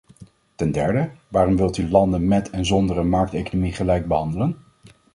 Ten derde: waarom wilt u landen met en zonder een markteconomie gelijk behandelen?